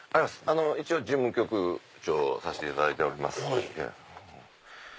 一応事務局長をさしていただいております。